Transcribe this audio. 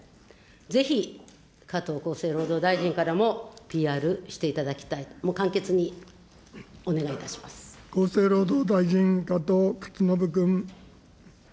ぜひ加藤厚生労働大臣からもＰＲしていただきたいと、もう簡潔に厚生労働大臣、加藤勝信君。